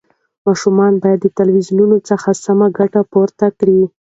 ماشومان باید د تلویزیون څخه سمه ګټه پورته کړي.